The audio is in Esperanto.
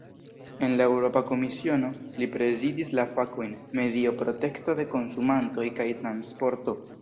En la Eŭropa Komisiono, li prezidis la fakojn "medio, protekto de konsumantoj kaj transporto".